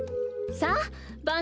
さあばん